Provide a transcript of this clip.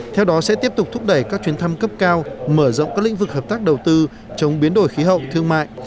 theo đó sẽ tiếp tục thúc đẩy các chuyến thăm cấp cao mở rộng các lĩnh vực hợp tác đầu tư chống biến đổi khí hậu thương mại